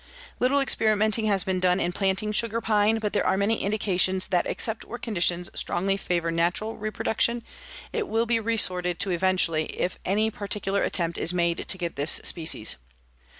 Little experimenting has been done in planting sugar pine, but there are many indications that except where conditions strongly favor natural reproduction it will be resorted to eventually if any particular attempt is made to get this species.